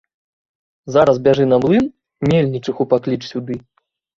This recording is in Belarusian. Зараз бяжы на млын, мельнічыху пакліч сюды.